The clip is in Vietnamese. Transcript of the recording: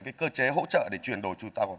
cái cơ chế hỗ trợ để chuyển đổi trụ tàu